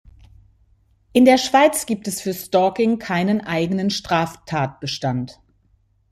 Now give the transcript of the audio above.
In der Schweiz gibt es für Stalking keinen eigenen Straftatbestand.